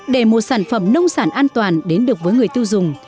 để một sản phẩm nông sản an toàn đến được với người tiêu dùng